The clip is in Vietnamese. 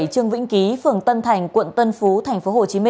trương vĩnh ký phường tân thành quận tân phú tp hcm